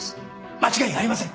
間違いありません。